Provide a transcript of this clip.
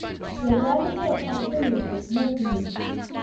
The reality of country music moved me.